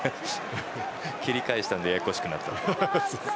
蹴り返したのでややこしくなったんです。